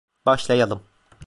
Başlayalım.